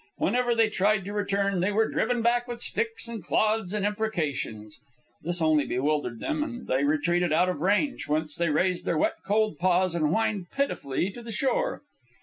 Whenever they tried to return they were driven back with sticks and clods and imprecations. This only bewildered them, and they retreated out of range, whence they raised their wet, cold paws and whined pitifully to the shore.